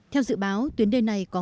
theo dự báo tuyến đê này có